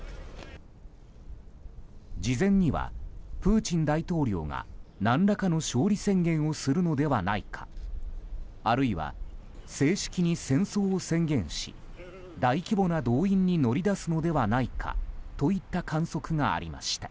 事前には、プーチン大統領が何らかの勝利宣言をするのではないかあるいは正式に戦争を宣言し大規模な動員に乗り出すのではないかといった観測がありました。